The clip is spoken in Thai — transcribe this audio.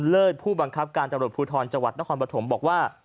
เลิศผู้บังคับการตรวจภูทรจวัตรนครบะถมบอกว่า